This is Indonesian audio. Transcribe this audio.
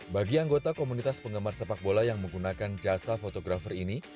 bagi anggota komunitas penggemar sepak bola yang menggunakan jasa fotografer ini